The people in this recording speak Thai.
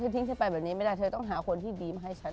ทิ้งฉันไปแบบนี้ไม่ได้เธอต้องหาคนที่ดีมาให้ฉัน